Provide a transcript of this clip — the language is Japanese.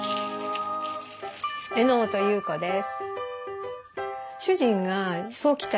榎本裕子です。